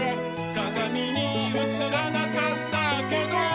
「かがみにうつらなかったけど」